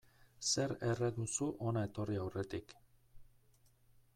Zer erre duzu hona etorri aurretik.